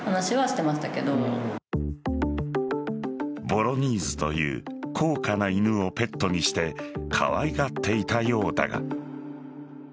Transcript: ボロニーズという高価な犬をペットにしてかわいがっていたようだが。